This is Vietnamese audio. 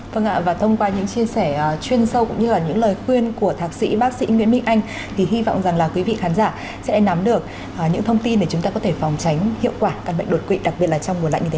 vâng ạ và thông qua những chia sẻ chuyên sâu cũng như là những lời khuyên của thạc sĩ bác sĩ nguyễn minh anh thì hy vọng rằng là quý vị khán giả sẽ nắm được những thông tin để chúng ta có thể phòng tránh hiệu quả căn bệnh đột quỵ đặc biệt là trong mùa lạnh như thế